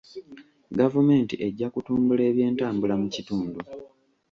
Gavumenti ejja kutumbula ebyentambula mu kitundu.